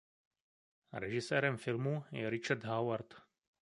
Režisérem filmu je Richard Howard.